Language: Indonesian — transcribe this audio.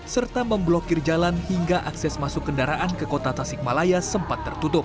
serta memblokir jalan hingga akses masuk kendaraan ke kota tasikmalaya sempat tertutup